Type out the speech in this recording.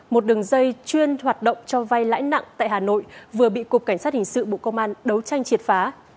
một đường dây chuyên hoạt động cho vay lãi nặng tại hà nội vừa bị cục cảnh sát hình sự bộ công an đấu tranh triệt phá